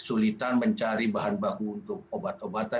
dan sulitan mencari bahan baku untuk obat obatan